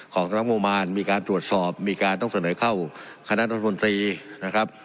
ของสำนักงบมารมีการตรวจสอบมีการต้องเสนอเข้าคณะรัฐมนตรีนะครับ